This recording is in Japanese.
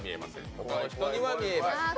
他の人には見えます。